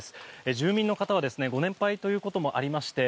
住民の方はご年配ということもありまして